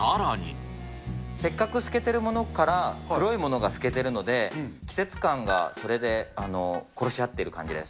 せっかく透けてるものから黒いものが透けてるので、季節感がそれで殺し合ってる感じです。